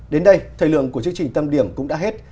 đến đây thời lượng của chương trình tâm điểm cũng đã hết